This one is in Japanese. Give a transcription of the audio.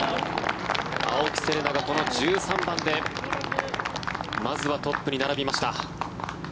青木瀬令奈がこの１３番でまずはトップに並びました。